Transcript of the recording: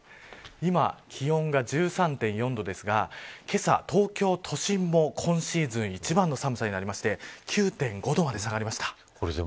今、気温が１３．４度ですがけさ、東京都心も今シーズン一番の寒さになりまして９．５度まで下がりました。